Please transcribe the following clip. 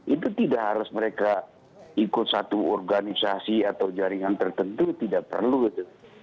itu tidak harus mereka ikut satu organisasi atau jaringan tertentu tidak perlu gitu